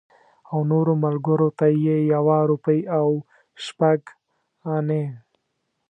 او نورو ملګرو ته یې یوه روپۍ او شپږ انې.